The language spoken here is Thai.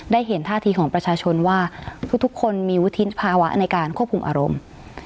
เห็นท่าทีของประชาชนว่าทุกคนมีวุฒิภาวะในการควบคุมอารมณ์